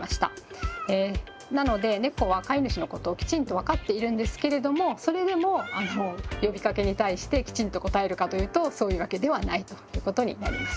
なのでネコは飼い主のことをきちんと分かっているんですけれどもそれでも呼びかけに対してきちんと応えるかというとそういうわけではないということになります。